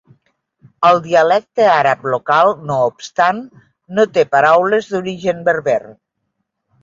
El dialecte àrab local no obstant no té paraules d'origen berber.